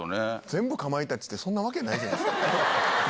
全部かまいたちって、そんなはずないじゃないですか。